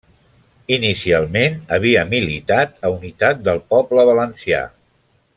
Inicialment havia militat a Unitat del Poble Valencià.